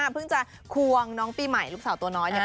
เพิ่งจะควงน้องปีใหม่ลูกสาวตัวน้อย